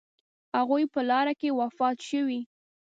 هغوی په لاره کې وفات شوي.